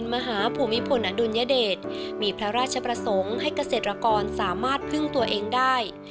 มหาภูมิพลอดุลยเดชมีพระราชประสงค์ให้เกษตรกรสามารถพึ่งตัวเองได้